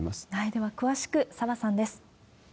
では詳しく、澤さんです。